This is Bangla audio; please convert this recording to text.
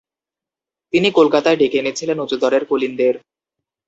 তিনি কলকাতায় ডেকে এনেছিলেন উঁচুদরের কুলীনদের।